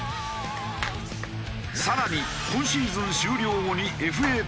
更に今シーズン終了後にＦＡとなる大谷。